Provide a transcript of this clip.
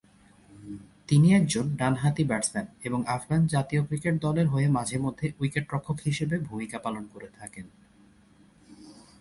তিনি একজন ডান হাতি ব্যাটসম্যান এবং আফগান জাতীয় ক্রিকেট দলের হয়ে মাঝে মধ্যে উইকেটরক্ষক হিসেবে ভূমিকা পালন করে থাকেন।